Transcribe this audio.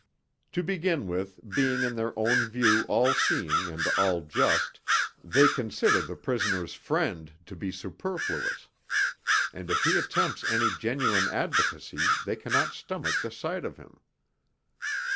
To begin with, being in their own view all seeing and all just, they consider the Prisoner's Friend to be superfluous: and if he attempts any genuine advocacy they cannot stomach the sight of him.